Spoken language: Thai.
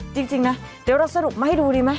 จริงนะเดี๋ยวเราสรุปมาให้ดูดีไหม